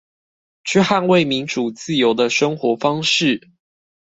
去捍衛民主自由的生活方式